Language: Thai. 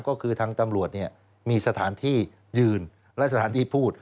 ก็คือทางตำรวจมีสถานที่ยืนและสถานที่พูด